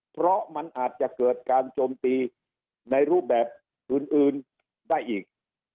เพราะมันอาจจะเกิดการโจมตีในรูปแบบอื่นได้อีก